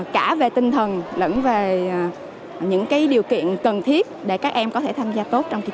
cả về tinh thần lẫn về những cái điều kiện cần thiết để các em có thể tham gia tốt trong kỳ thi này